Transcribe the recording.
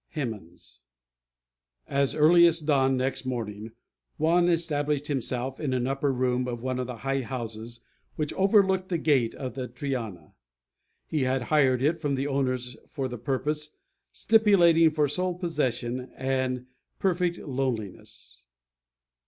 Hemans. [#] So called by the Inquisitor, De Pegna. At earliest dawn next morning, Juan established himself in an upper room of one of the high houses which overlooked the gate of the Triana. He had hired it from the owners for the purpose, stipulating for sole possession and perfect loneliness.